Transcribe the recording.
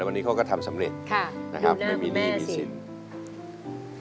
วันนี้เขาก็ทำสำเร็จค่ะนะครับไม่มีหนี้มีสิน